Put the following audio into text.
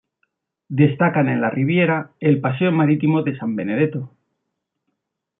Destacan en la Riviera el paseo marítimo de San Benedetto.